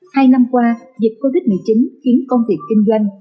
hai năm qua dịch covid một mươi chín khiến công việc kinh doanh